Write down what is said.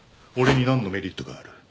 俺に何のメリットがある？